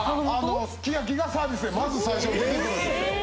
すき焼きがサービスでまず最初に出てくるんですよ。